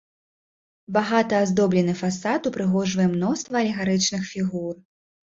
Багата аздоблены фасад упрыгожвае мноства алегарычных фігур.